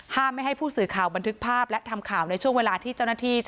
ไม่ให้ผู้สื่อข่าวบันทึกภาพและทำข่าวในช่วงเวลาที่เจ้าหน้าที่